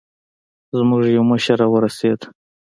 زموږ يو مشر راورسېد.